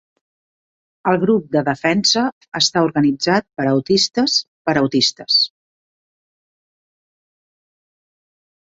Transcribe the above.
El grup de defensa està organitzat per autistes per a autistes.